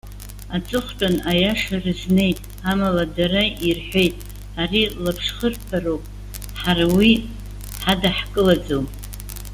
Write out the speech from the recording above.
Аҵыхәтәан аиаша рызнеит, амала дара ирҳәеит:- Ари лаԥшхырԥароуп, ҳара уи ҳадаҳкылаӡом.